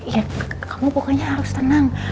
ya kamu pokoknya harus tenang